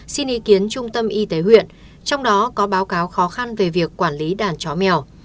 xin ý kiến trung tâm y tế huyện trong đó có báo cáo khó khăn về việc quản lý đàn chó mèo